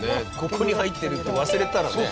ここに入ってるって忘れたらね。